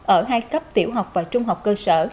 ở hai cấp tiểu học và trung học cơ sở